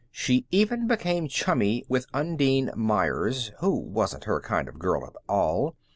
She even became chummy with Undine Meyers, who wasn't her kind of a girl at all.